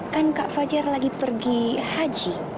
kan kak fajar lagi pergi haji